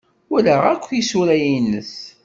Walaɣ akk isura-nnes.